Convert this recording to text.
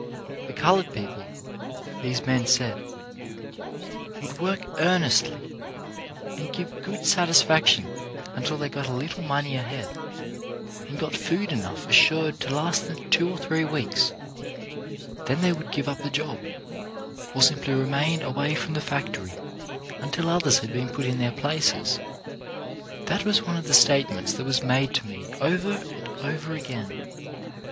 The coloured people, these men said, would work earnestly, and give good satisfaction until they got a little money ahead, and got food enough assured to last them two or three weeks; then they would give up the job, or simply remain away from the factory until others had been put in their places. That was one of the statements that was made to me over and over again.